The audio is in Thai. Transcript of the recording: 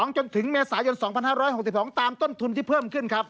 จนถึงเมษายน๒๕๖๒ตามต้นทุนที่เพิ่มขึ้นครับ